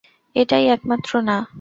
এটাই একমাত্র না।